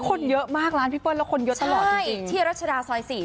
คนเยอะมากร้านพี่เปิ้ลแล้วคนเยอะตลอดจริง